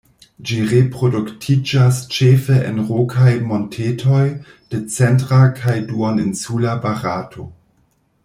Ĝi reproduktiĝas ĉefe en rokaj montetoj de centra kaj duoninsula Barato.